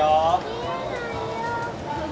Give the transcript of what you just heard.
見えないよ。